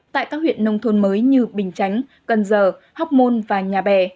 tại các huyện nông thôn mới như bình chánh cần giờ học môn và nhà bè